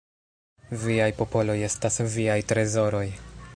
Viaj popoloj estas viaj trezoroj.